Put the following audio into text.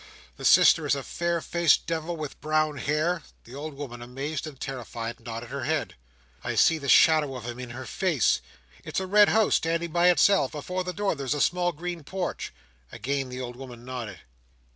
"The sister is a fair faced Devil, with brown hair?" The old woman, amazed and terrified, nodded her head. "I see the shadow of him in her face! It's a red house standing by itself. Before the door there is a small green porch." Again the old woman nodded.